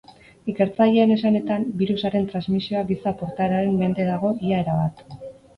Ikertzaileen esanetan, birusaren transmisioa giza portaeraren mende dago ia erabat.